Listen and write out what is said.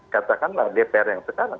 katakanlah dpr yang sekarang